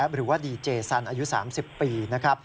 หรือว่าดีเจสันอายุ๓๐ปีนะครับ